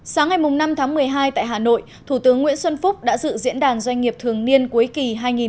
sáng ngày năm tháng một mươi hai tại hà nội thủ tướng nguyễn xuân phúc đã dự diễn đàn doanh nghiệp thường niên cuối kỳ hai nghìn một mươi chín